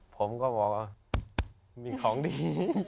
ผมก็บอกว่ามีของดี